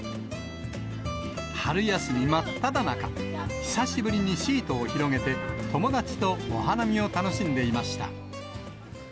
春休み真っただ中、久しぶりにシートを広げて、友達とお花見を楽しんでいました。